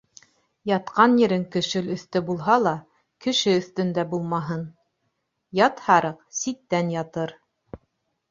Ятҡан ерең көшөл өҫтө булһа ла, кеше өҫтөндә булмаһын Ят һарыҡ ситтән ятыр.